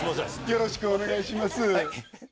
よろしくお願いします